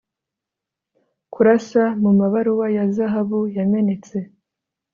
Kurasa mumabaruwa ya zahabu yamenetse